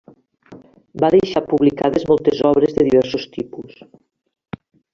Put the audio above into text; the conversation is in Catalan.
Va deixar publicades moltes obres de diversos tipus.